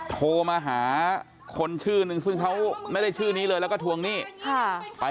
โทรมาหาคนชื่อนึงซึ่งเขาไม่ได้ชื่อนี้เลยแล้วก็ทวงหนี้ค่ะ